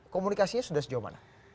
komunikasinya sudah sejauh mana